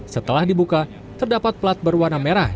setelah dibuka terdapat plat berwarna merah